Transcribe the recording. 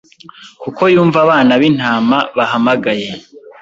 Kuko yumva abana bintama bahamagaye